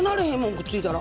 くっついたら。